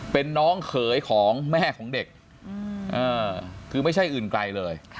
เป็นน้องเขยของแม่ของเด็กคือไม่ใช่อื่นไกลเลย